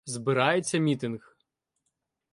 збирається мітинг.